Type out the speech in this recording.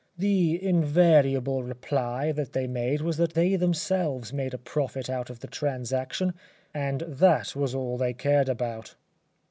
The invariable reply that they made was that they themselves made a profit out of the transaction and that was all they cared about.